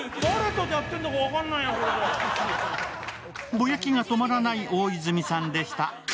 ぼやきが止まらない大泉さんでした。